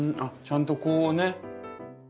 あっちゃんとこうね。